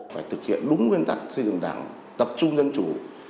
phải thực hiện đúng nguyên tắc xây dựng đảng tập trung dân chủ